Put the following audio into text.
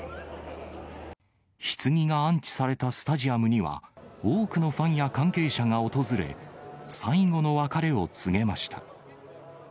ひつぎが安置されたスタジアムには、多くのファンや関係者が訪れ、最後の別れを告げました。